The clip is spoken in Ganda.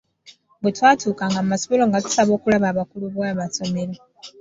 Bwe twatuukanga mu masomero nga tusaba okulaba abakulu b’amasomero.